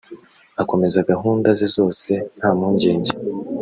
akomeza gahunda ze zose nta mpungenge